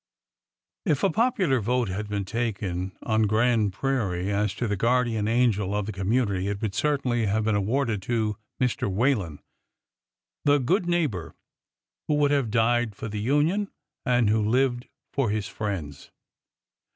If a popular vote had been taken on Grand Prairie as to the guardian angel of the community, it would certainly have been awarded to Mr. Whalen— the good neighbor 248 ORDER NO. 11 who would have died for the Union, and who lived for his friends.